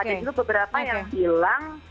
ada juga beberapa yang hilang